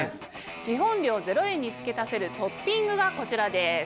基本料０円に付け足せるトッピングがこちらです。